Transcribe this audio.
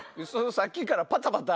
さっきからパタパタ。